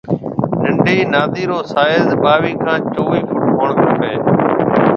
ننڊِي نادِي رو سائز ٻاوِي کان چويھ فٽ ھوڻ کپيَ